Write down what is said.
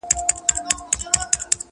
رسېدلی د لېوه په ځان بلاوو؛